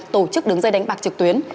tổ chức đường dây đánh bạc trực tuyến